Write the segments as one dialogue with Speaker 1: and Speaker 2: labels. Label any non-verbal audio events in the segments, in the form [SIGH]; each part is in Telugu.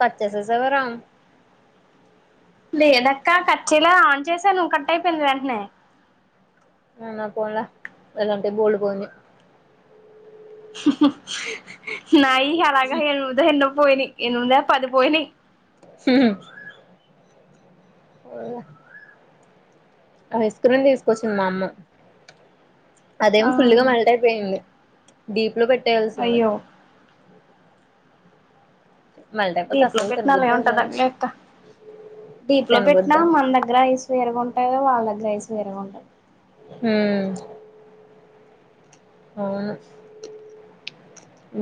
Speaker 1: కట్ చేసేసావా రా
Speaker 2: లేదక్క కట్ చేయల ఆన్ చేసాను కట్ అయిపోయింది వెంటనే
Speaker 1: అవున పోన్ల అలా అంటే బోల్డు పోయినయ్
Speaker 2: నయి అలాగ ఎనిమిదో ఎన్నో పోయినయ్ ఎనిమిద పది పోయినై
Speaker 1: హు హు ఐస్ క్రీమ్ తీసుకొచ్చింది మా అమ్మ
Speaker 2: ఆ
Speaker 1: అదేమి ఫుల్గా మల్ట్ అయిపోయింది డీప్ లో పెట్టేయాల్సింది
Speaker 2: అయ్యో
Speaker 1: మెల్ట్ అయిపోతే
Speaker 2: డిప్ లో
Speaker 1: అసలు
Speaker 2: పెట్టనా
Speaker 1: తినబుద్ధి
Speaker 2: అలాగె
Speaker 1: అవదా
Speaker 2: ఉంటది అండి లే అక్క డీప్ లో పెట్టినా
Speaker 1: తినబుద్ధి
Speaker 2: మన దగ్గర ఐస్ వేరుగా ఉంటది వాళ్ళ దగ్గర ఐస్ వేరుగ ఉంటది
Speaker 1: ఉం అవును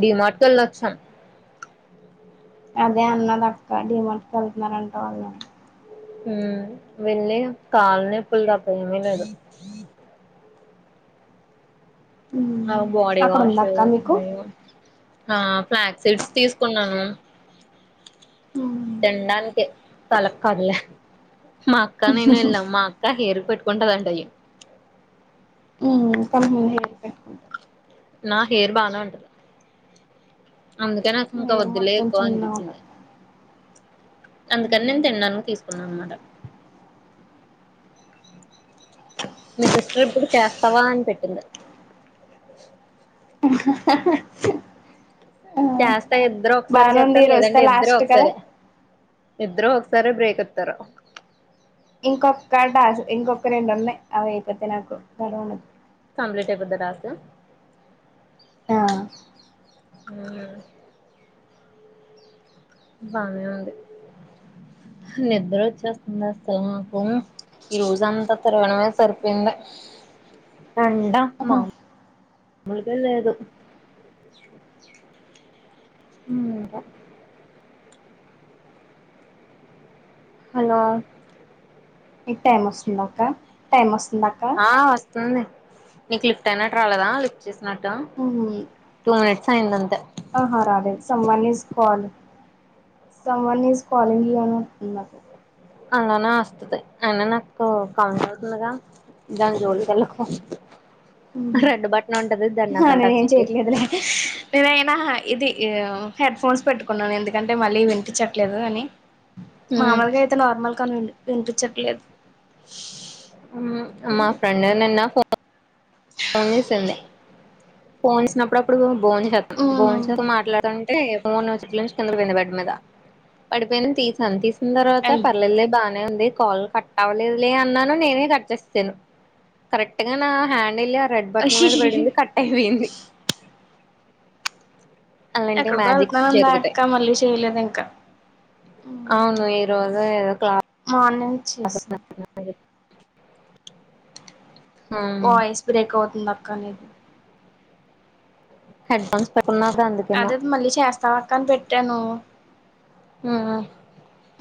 Speaker 1: డీమర్ట్ కి వెళ్లోచాం
Speaker 2: అదే అన్నది అక్క డీ మార్ట్కి వెళ్తున్నారంట వాళ్ళు
Speaker 1: హు వెళ్లి కాళ్ళ నొప్పులుతప్ప ఏమి లేదు ఆ బాడీ
Speaker 2: అక్కడ
Speaker 1: వాష్
Speaker 2: ఉందా అక్క
Speaker 1: ఏవో
Speaker 2: మీకు
Speaker 1: ఆ ఫ్లాగ్ సీడ్స్ తీసుకున్నాను తినడానికి తలక్కదులే మా అక్క నేను ఎల్లం మా అక్క హెయిర్ పెట్కంటదంట అయి
Speaker 2: కొంచెం హెయిర్ పెట్టుకుంటది
Speaker 1: నా హెయిర్ బానే ఉంటది అందుకే నాక్ ఇంకా
Speaker 2: హెయిర్
Speaker 1: ఒద్దులే
Speaker 2: మొత్తం
Speaker 1: ఎక్కువ
Speaker 2: చిన్నగా
Speaker 1: అనిపించింది
Speaker 2: ఉంటది
Speaker 1: అందుకని నేను తినడానికి తీసుకున్నా అనమాట మీ సిస్టర్ ఇప్పుడు చేస్తావా అని పెట్టింది
Speaker 2: హ హ
Speaker 1: చేస్తా ఇద్దరు ఒకసారి చేస్తారు
Speaker 2: రోజుతో
Speaker 1: లేదంటటే ఇద్దరు
Speaker 2: లాస్ట్ కదా
Speaker 1: ఒకసారె ఇద్దరు ఒకసారె బ్రేక్ ఇత్తరు
Speaker 2: ఇంకొక్క డస్ ఇంకొక్క రెండు ఉన్నయ్ అవి అయిపోతే నాకు
Speaker 1: కంప్లీట్ అయిపోద్దా టాస్క్
Speaker 2: ఆ
Speaker 1: ఆ బానే ఉంది నిద్ర వచ్చేస్తుంది అస్సలు మాకు ఈ రోజ అంతా తిరగడమే సరిపోయింది ఎండా
Speaker 2: ఆహా
Speaker 1: మామూలుగా లేదు ఉంక హలో
Speaker 2: నీక్ టైమ్ ఒస్తుందక్కా టైమ్ వస్తు.
Speaker 1: ఆహ్ ఒస్తుంది నీకు లిఫ్ట్ అయినట్లు రాలేదా లిఫ్ట్ చేస్తునట్టు.
Speaker 2: ఉమ్.
Speaker 1: టూ నైట్స్ అయింది అంతే.
Speaker 2: ఆహా రాలేదు someone is calling. Someone is calling you అని వస్తుందా.
Speaker 1: అలానే ఒస్తది అయినా నాకు కనబడుతుందిగా దాని జోలికి ఏళ్లకు. రెడ్ బట్టన్ ఉంటే.
Speaker 2: హ్ నేన్ ఏం చేయట్లేదులె నేనైనా ఇది ఆహ్. హెడ్ ఫోన్స్ పెట్టుకున్నాను ఎందుకంటే మళ్ళీ వినిపించట్లేదు అని. మాములుగా అయితే నార్మల్ కాల్ వినిపించట్లేదు.
Speaker 1: ఉమ్ మా ఫ్రెండు నిన్న ఫో. ఫోన్ చేసింది ఫోన్ చేసినప్పుడు అప్పుడు బోన్ జేతంద్ బోన్
Speaker 2: మ్మ్
Speaker 1: చేస్తూ మాట్లాడటానికి. అంటే మూడ్నాల్గు స్టెప్లా నుంచి కింద పడిపోయింది బెడ్ మీద పడిపోయింది తీసాను తీసే. హ్మ్న్ తర్వాత
Speaker 2: అయ్యో
Speaker 1: పర్లేలే బానే ఉంది. కాల్ కట్ అవ్వలేదులే అన్నాను నేనే కట్ చేస్తేను కరెక్ట్ గా నా హ్యాండిలే. రెడ్ బటన్ మీద పడింది కట్ అయిపోయింది. అలాంటి
Speaker 2: ఎక్కడికో
Speaker 1: మ్యాజిక్స్
Speaker 2: వెళ్తునంది ఆహ్
Speaker 1: జరుగుతాయి
Speaker 2: అక్క మళ్ళీ చేయలేదు ఇంక.
Speaker 1: అవును ఈరోజు ఏదో క్లాస్.
Speaker 2: చేసాయ్.
Speaker 1: [INAUDIBLE]
Speaker 2: వాయిస్ బ్రేక్ అవుతుంది అక్క నీది.
Speaker 1: హెడ్ ఫోన్స్ పేట్.
Speaker 2: అదె మళ్ళీ చేస్తావ్ అక్క అని పెట్టాను.
Speaker 1: మ్మ్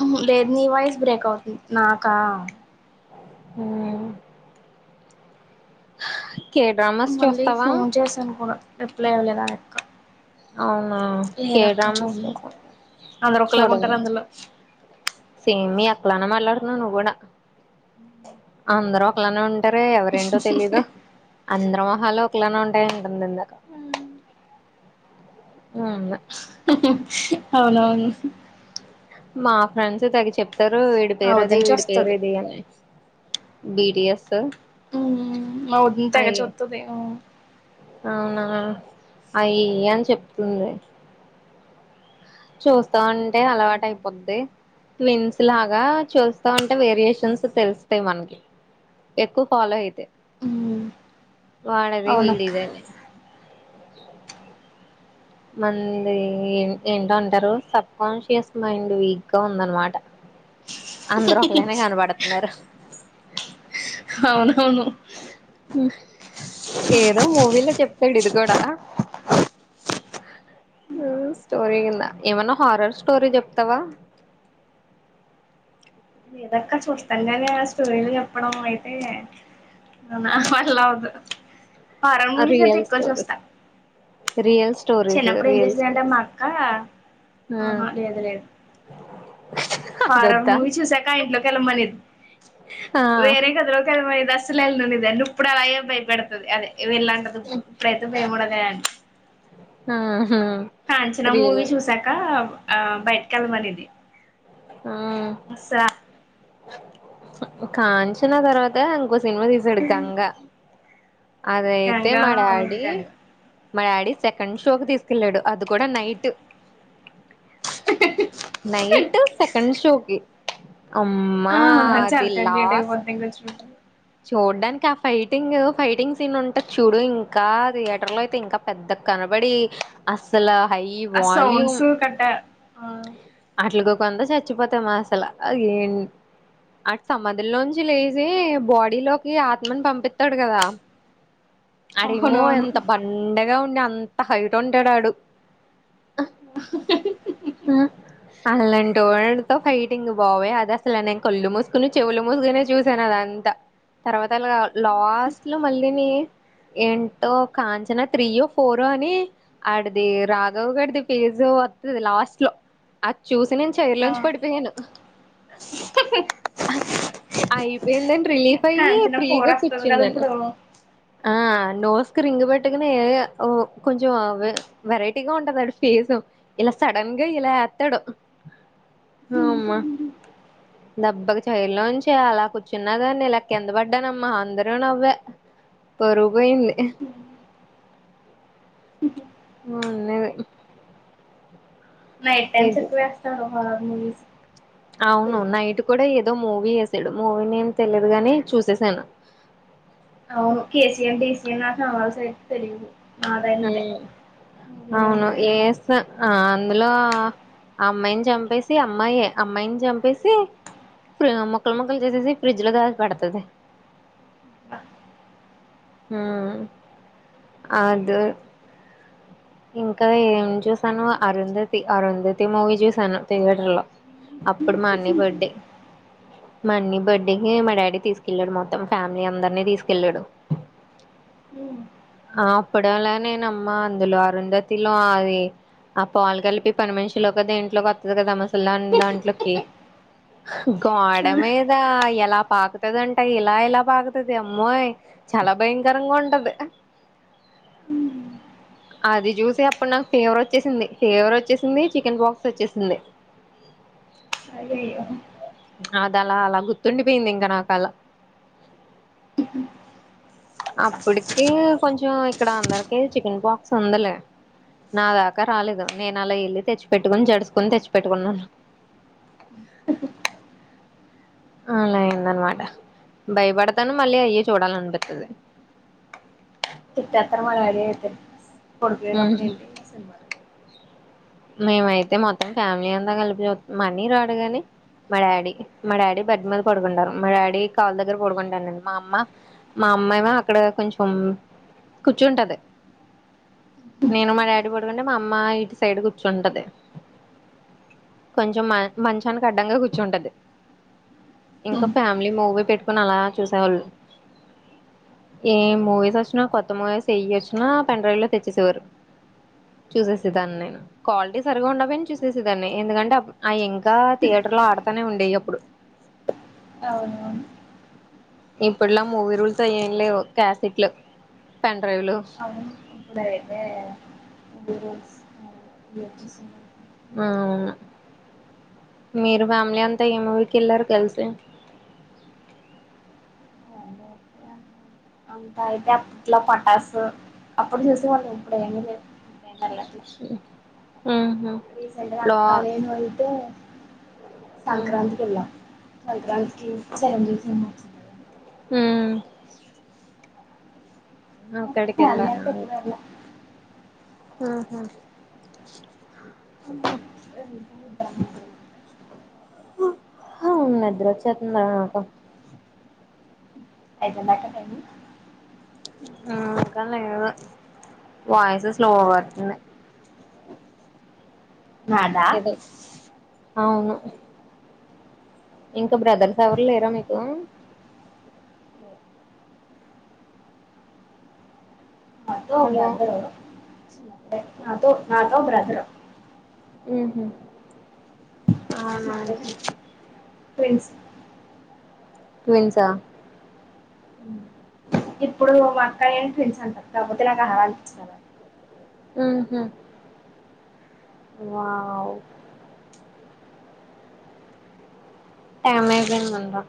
Speaker 2: ఉమ్ హ్ లేదు నీ వాయిస్ బ్రేక్ అవుతుంది నాకా.
Speaker 1: ఉమ్. ఆహ్ కేదార్నాథ్
Speaker 2: మళ్ళీ
Speaker 1: చూస్తావా.
Speaker 2: ఫోన్ చేశాను కూడా రిప్లై ఇవ్వలేదు నాకు.
Speaker 1: అవునా కే
Speaker 2: లేదు అక్క
Speaker 1: డ్రామాస్
Speaker 2: చూడను
Speaker 1: చూస్తావా
Speaker 2: అందరు ఒకలాగా
Speaker 1: చూడవా
Speaker 2: ఉంటరు అందులో.
Speaker 1: సేమ్ మీ అక్క లాజ్ఞే మాట్లాడ్తున్నావు నువ్వు గూడా. అందరూ ఒకలానే ఉంటారే ఎవరేంటో తెలీదు అందరు మొహాలు ఒకెలానే ఉంటాయ్. ఉందాన్నరు.
Speaker 2: ఉమ్ అవునవును.
Speaker 1: మా ఫ్రెండ్స్ తడిచి చెప్పారు వీడి
Speaker 2: మా
Speaker 1: పేరు అది
Speaker 2: వదిన
Speaker 1: వీడి పేరు
Speaker 2: చూస్తది
Speaker 1: ఇది అని. బిటిఎస్.
Speaker 2: ఉమ్ మా వదిన తెగ
Speaker 1: అయి
Speaker 2: చూతది.
Speaker 1: అవునా అయ్ అని చెప్తుంది. చూస్తా ఉంటే అలవాటు అయిపోద్ది. ట్విన్స్ లాగా చూస్తా ఉంటే వేరియేషన్స్ తెలుస్తాయి మనకి. ఎక్కువ ఫాలో అయితే. వాడాది
Speaker 2: అవునక్క
Speaker 1: వీడీదాని. మనది ఏంటో అంటారు సబ్కాన్స్కియోస్ మైండ్ వీక్ గా ఉందనుకుంటా. అందరు ఒకళనే కనపడుతారు.
Speaker 2: అవునవును.
Speaker 1: ఏదో మూవీలో చెప్తాడు ఇది గుడా హ్. ఉమ్ స్టోరీ విన్నా ఏమన్నా హారర్ స్టోరీ చెప్తావా.
Speaker 2: ఏదక్క చూస్తంగానే ఆ స్టూడెంట్ చెప్పడం అయితే అవునా అలా వొద్దు హారర్ మూవీస్ అయితే
Speaker 1: రియల్
Speaker 2: ఎక్కువ చూస్తా.
Speaker 1: స్టోరీస్ రియల్ స్టోరీస్
Speaker 2: చిన్నప్పుడు ఏం
Speaker 1: రియల్
Speaker 2: చేసేదంటే మా అక్క.
Speaker 1: స్టోరీస్
Speaker 2: ఆహా లేేదు లేదు. హారర్
Speaker 1: అదొద్దా
Speaker 2: మూవీస్ చూసాక ఆ ఇంట్లోకెలమనలేదు
Speaker 1: ఆ
Speaker 2: వేరే గదిలో కెలు. బయట అస్సలు ఎల్లననేదాన్ని ఉప్పుడలాగె భైపెడ్తది అదే ఎ వెళ్ళంటదిప్పుడు ఇప్పుడైతే భయముండదే ప్చ్
Speaker 1: ఆహ
Speaker 2: కాంచనా మూవీ
Speaker 1: రీల్
Speaker 2: చూసాక ఆ బైట్కెళ్ళమనేది.
Speaker 1: మ్ కాంచన తర్వాత ఇంకో సిన్మ దీసాడు గంగా అదైతే
Speaker 2: గంగా
Speaker 1: మ
Speaker 2: అవును
Speaker 1: డాడి
Speaker 2: గంగా
Speaker 1: మా డాడీ సెకండ్ షోకు తీస్కెళ్ళాడు అది కూడా నైట్. నైట్ సెకండ్ షోకి అమ్మా
Speaker 2: ఆ చాలా
Speaker 1: అది
Speaker 2: టైం లేట్
Speaker 1: లాస్
Speaker 2: అయిపోద్ది ఇంకొచ్చేటప్పటికి
Speaker 1: చూడ్డనికి ఆ ఫైటింగు ఫైటింగ్ సీన్ ఉంటద్ చూడు. ఇంకా థియేటర్ లో అయితే ఇంకా పెద్ద కన బడి అస్సలు హై
Speaker 2: ఆ
Speaker 1: వాల్యూమ్
Speaker 2: సౌండ్స్ కట్ట ఆ
Speaker 1: అట్లుగ కొంత చచ్చిపోతామా అసలు అఎం అడ్ సమాధులోంచి లేసి బా డిలోకి ఆత్మన్ పంపిత్తడ్ గదా. అడేమో
Speaker 2: అవునవును
Speaker 1: ఎంత బండగా ఉండి అంత హైట్ ఉంటాడాడు.
Speaker 2: అహహ హిహిహిహి
Speaker 1: అల్లంటి వడితో ఫైటింగ్ బాబొయ్ అది అసలు నేన్ కళ్ళు మూస్కుని, చెవులు మూస్కునే చూశాను అదం త తర్వాత అలా లాస్ట్ లో మళ్ళీని ఏంటో కాంచనా త్రీయో, ఫోరో అని ఆడిది రాఘవ్ గాడిది ఫేజ్ తొ వత్తది లాస్ట్ లో అద్ చూసి నేన్
Speaker 2: ఆ
Speaker 1: చైర్లోంచి పడిపోయాను. అహ్హ్ అయిపోయిందన్ రిలీఫ్ తీ
Speaker 2: కాంచన ఫోర్
Speaker 1: ఫ్రీగా
Speaker 2: వస్తది కదా
Speaker 1: కుచ్చున్నాను.
Speaker 2: ఇప్పుడు
Speaker 1: ఆ నోస్ కి రింగ్ పెట్టుకుని ఓ కొంచం వెర్ వెరైటీగా ఉంటదడి ఫేసు. ఇలా సడన్గా ఇలా ఎత్తాడు. అమ్మ దబ్బక్ చైలోంచి అలా కూచున్నదన్ నీల కింద పడ్డానమ్మా అందరు నవ్వే పరువుపోయింది. మొన్నది
Speaker 2: నైట్ టైమ్స్ ఎక్కువేస్తడు హరర్ మూవీస్
Speaker 1: అవును నైట్ కూడా ఏదో మూవీ ఎసాడు మూవీ నేమ్ తెలిదు గాని చూసేసాను.
Speaker 2: అవ్ను కేెసిఎం డిసిఎం [UNINTELLIGIBLE] తెలిదు
Speaker 1: మ్
Speaker 2: నేమ్
Speaker 1: అవును
Speaker 2: తెలీదు
Speaker 1: ఏస్త ఆ అందులో ఆ అమ్మాయిన్ చంపేసి అమ్మాయే అమ్మాయిన్ చంపేసి ప్రియా ముక్కల్ ముక్కల్ చేసేసి ఫ్రిడ్జ్ లో దాచ్పేడుతది.
Speaker 2: అ
Speaker 1: మ్ అదె ఇంకా ఏం చూసాను అరుంధతి అరుంధతి మూవీ చూశాను థియేటర్ లో. అప్పుడు మా అన్నియ్ బర్డే మ అన్నియా బర్త్డేకి మా డాడీ తీస్కెళ్ళాడు మొత్తం ఫ్యామ్లీ అందరినీ తీస్కెళ్ళాడు.
Speaker 2: ఉ
Speaker 1: ఆ అప్పుడలానే నమ్మా అందులో అరుంధతిలో అది ఆ పాల్ గల్పి పని మనిషిలెక్పోతె ఇంట్లోకొత్తది గదా అ ముసల్దాన్ దాంట్లోకి. గోడ మీద ఎలా పాకుతదంట ఇలా ఇలా పాకుతది అమ్మోయ్. చాలా భయంకరంగా ఉండది. అది జుసి అప్పుడ్ నాక్ ఫీవరొచ్చేసింది, ఫీవరొచ్చేసింది చికెన్ పక్స్ ఒచ్చేసింది.
Speaker 2: అయయ్యో
Speaker 1: అదాలా అలా గుర్తుండిపోయింది ఇంకా నాకలా
Speaker 2: ఉహు
Speaker 1: అప్పటికి కొంచెం ఇక్కడ అందరికి చికెన్ పాక్స్ ఉందలే. నాదాకా రాలేదు నేను అలా ఎల్లి తెచ్చి పెట్టుకుని జడుసుకుని తెచ్చిపెట్టుకున్నాను. అలా అయింది అనమాట భయపడతాను మళ్ళీ అయ్యే చూడాలనిపిత్తాది
Speaker 2: తిట్టేత్ర మా డాడీ అయితే పండుకునేటప్పుడు ఏంటి సినిమాలు అని
Speaker 1: మేమయితే మొత్తం ఫ్యామిలీ అంతా కలిపి చూతం మా అన్నయ్య రాడు గాని మా డాడీ మా డాడీ బెడ్ మీద పడుకుంటారు మా డాడీ కాళ్లు దగ్గర పడుకుంటాను నేను మా అమ్మ మా అమ్మా ఏమో అక్కడ కొంచెం కూర్చుంటది నేను మా డాడీ పడకుంటే మా అమ్మ ఇటు సైడ్ కూర్చుంటది కొంచెం మ మంచానికి అడ్డంగా కూర్చుంటది ఇంకా ఫ్యామిలీ మూవీ పెట్టుకొని అలా చూసేవాళ్ళు ఏ మూవీస్ వచ్చినా కొత్త మూవీస్ వెయ్యి వచ్చినా పెన్ డ్రైవ్ లో తెచ్చేసేవారు చూసేసే దాన్ని నేను క్వాలిటీ సరిగా ఉండబోయిని చూసేసి దాన్ని ఎందుకంటే అప్ అయి ఇంకా థియేటర్ లో ఆడతానే ఉండేయి ఎప్పుడు
Speaker 2: అవునవును
Speaker 1: ఇప్పుడులా మూవీ రూల్స్ అయి ఎం లేవు క్యాసెట్లు పెన్ డ్రైవ్లు
Speaker 2: ఇప్పుడైతే మూవీ రూల్స్
Speaker 1: అవును మీరు ఫ్యామిలీ అంతా ఎం మూవికి వెళ్లారు కలిసి
Speaker 2: అంత అయితే అప్పట్లో పటాసు అప్పుడు చూసేవాలు ఇప్పుడు ఏమీ లే మేమ్ వెళ్లట్లే
Speaker 1: ఉమ్
Speaker 2: రీసెల్ గా అక్క నేను అయితే
Speaker 1: ఉ
Speaker 2: సంక్రాంతకెళ్లా సంక్రాంతికి చరంజీవి సినిమా
Speaker 1: మ్ ఆక్కడక్కేలానాయితే అహ అమ్మ హమ్ నిద్ర వచ్చేతాంది నాకు అయితే
Speaker 2: అయిపోయిదంక్కా టైమింగ్
Speaker 1: ఇంకా లేదు వాయిస్ స్లోగా వస్తుంది
Speaker 2: నాదా
Speaker 1: ఏదో అవును ఇంకా బ్రదర్స్ ఎవరు లేరా మీకు
Speaker 2: నాతో
Speaker 1: హలో
Speaker 2: ఒక బ్రదరు నాతో నాతో బ్రదరు
Speaker 1: హహ్మ్ అవునా
Speaker 2: ట్విన్స్
Speaker 1: ట్విన్స్ ఆ
Speaker 2: ఇప్పుడు మా అక్క నేన్ ట్విన్స్ అంట కాకపోతే నాకు ఆ ఆలా అనిపించాదు
Speaker 1: ఉమ్మ్ వావ్ అమెజాన్ ఉందా